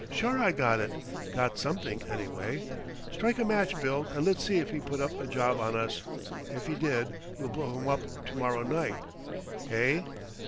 "Sure I got it! Got something, anyway. Strike a match, Bill, and let's see if he put up a job on us. If he did, we'll blow him up to morrow night, hey?"